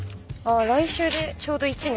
来週でちょうど１年。